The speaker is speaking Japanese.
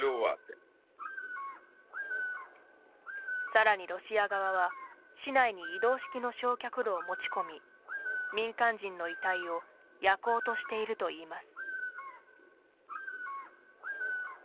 さらにロシア側は市内に移動式の焼却炉を持ち込み民間人の遺体を焼こうとしているといいます。